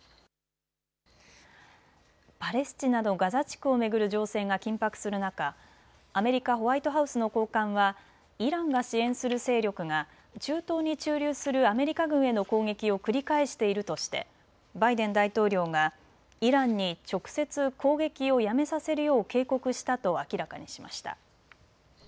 パレスチナのガザ地区を巡る情勢が緊迫する中、アメリカ・ホワイトハウスの高官はイランが支援する勢力が中東に駐留するアメリカ軍への攻撃を繰り返しているとしてバイデン大統領がイランに直接攻撃をやめさせるよう警告したと明らかにしました。